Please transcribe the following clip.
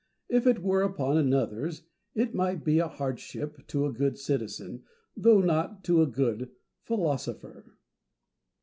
If it were upon another's, it might be a hardship to a good citizen, though not to a good philosopher.